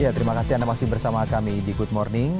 ya terima kasih anda masih bersama kami di good morning